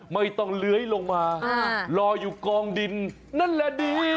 ไม่ต้องเลื้อยลงมารออยู่กองดินนั่นแหละดี